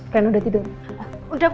reina udah tidur